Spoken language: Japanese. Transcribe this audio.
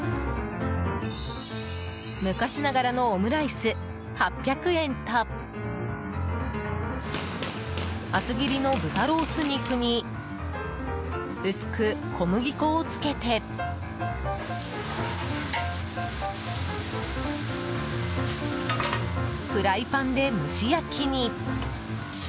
昔ながらのオムライス８００円と厚切りの豚ロース肉に薄く小麦粉をつけてフライパンで蒸し焼きに。